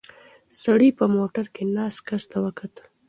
سړي په موټر کې ناست کس ته وکتل.